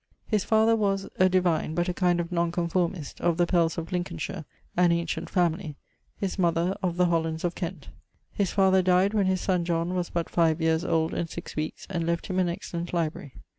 His father was [a divine] but a kind of Non conformist; of the Pells of Lincolnshire, an ancient familie; his mother [of the Hollands of Kent]. His father dyed when his son John was but 5 yeares old and six weekes, and left him an excellent library.